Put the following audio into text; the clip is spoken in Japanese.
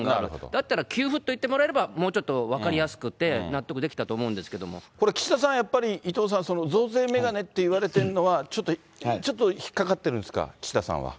だったら給付って言ってもらえれば、もうちょっと分かりやすくてこれ、岸田さん、やっぱり、伊藤さん、増税めがねっていわれてるのは、ちょっと、ちょっと引っ掛かってるんですか、岸田さんは。